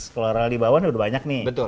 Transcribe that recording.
kalau rl di bawah ini udah banyak nih